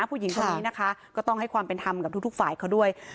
ผู้หญิงคนนี้นะคะก็ต้องให้ความเป็นธรรมกับทุกฝ่ายเขาด้วย